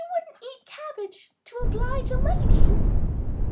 "Wouldn't you eat cabbage to oblige a lady?"